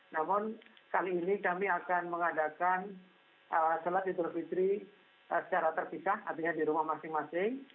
namun kali ini kami akan mengadakan sholat idul fitri secara terpisah artinya di rumah masing masing